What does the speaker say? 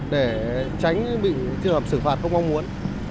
để tránh bị trường hợp xử phạt không mong muốn